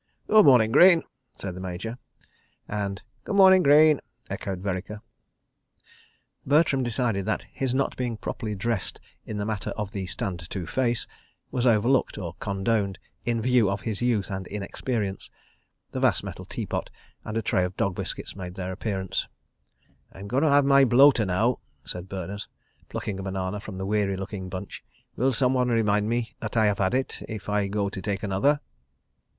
"Good morning, Greene," said the Major, and: "Good morning, Greene," echoed Vereker. Bertram decided that his not being properly dressed in the matter of the Stand to face, was overlooked or condoned, in view of his youth and inexperience. ... The vast metal teapot and a tray of dog biscuits made their appearance. "I'm going to have my bloater now," said Berners, plucking a banana from the weary looking bunch. "Will someone remind me that I have had it, if I go to take another?"